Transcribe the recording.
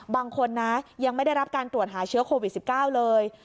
บางคนนะยังไม่ได้รับการตรวจหาเชื้อโควิด๑๙เลย